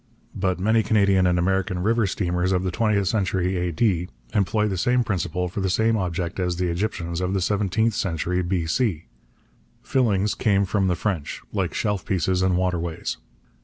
But many Canadian and American river steamers of the twentieth century A.D. employ the same principle for the same object as the Egyptians of the seventeenth century B.C. Fillings came from the French, like shelf pieces and waterways.